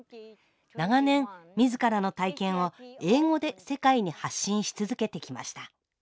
長年自らの体験を英語で世界に発信し続けてきました。